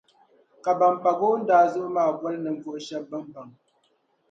Ka ban pa goondaa zuɣu maa boli ninvuɣu shεba bɛ ni baŋ.